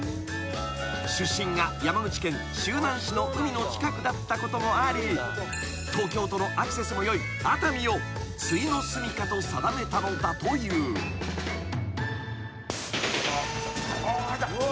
［出身が山口県周南市の海の近くだったこともあり東京とのアクセスもよい熱海を終のすみかと定めたのだという］ああ。